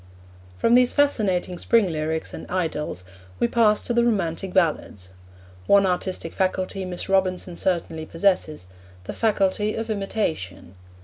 From these fascinating spring lyrics and idylls we pass to the romantic ballads. One artistic faculty Miss Robinson certainly possesses the faculty of imitation.